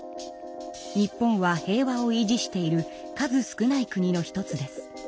日本は平和を維持している数少ない国の一つです。